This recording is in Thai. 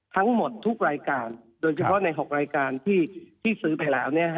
ทั้งหมดทุกรายการโดยเฉพาะใน๖รายการที่ซื้อไปแล้ว